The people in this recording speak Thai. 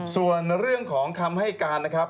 ส่วนเรื่องของคำให้การนะครับ